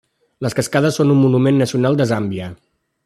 Les cascades són un monument nacional de Zàmbia.